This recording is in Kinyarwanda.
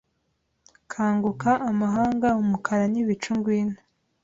Kanguka amahanga umukara nibicu ngwino